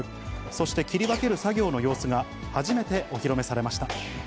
そして切り分ける作業の様子が、初めてお披露目されました。